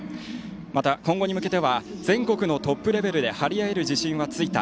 また今後に向けては全国のトップレベルで張り合える自信はついた。